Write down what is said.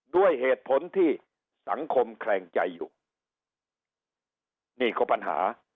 ด้วยเหตุผลที่สังคมแคลงใจอยู่นี่ก็ปัญหา